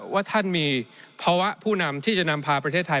ว่าท่านมีภาวะผู้นำที่จะนำพาประเทศไทย